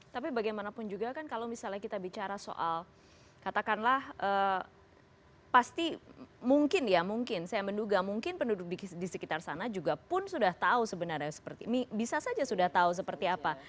tapi bagaimanapun juga kan kalau misalnya kita bicara soal katakanlah pasti mungkin ya mungkin saya menduga mungkin penduduk di sekitar sana juga pun sudah tahu sebenarnya seperti ini bisa saja sudah tahu seperti apa